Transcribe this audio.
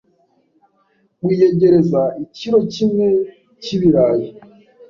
wiyegereza ikiro kimwe k’ibirayi,